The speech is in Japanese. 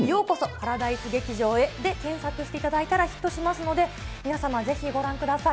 パラダイス劇場へで検索していただいたら、ヒットしますので、皆様、ぜひご覧ください。